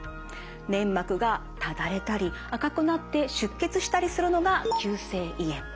粘膜がただれたり赤くなって出血したりするのが急性胃炎。